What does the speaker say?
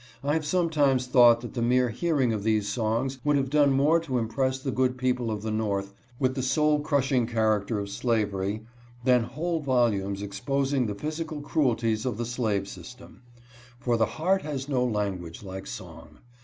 I have sometimes thought that the mere hearing of these songs would have done more to impress the good people of the north with the soul crushing character of slavery than whole volumes exposing the physical cruelties of the 62 GRIEF NOT ALWAYS EXPRESSED. slave system ; for the heart has no language like song.